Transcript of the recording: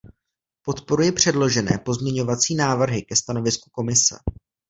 Podporuji předložené pozměňovací návrhy ke stanovisku Komise.